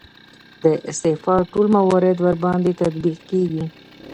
د استعفا ټول موارد ورباندې تطبیق کیږي.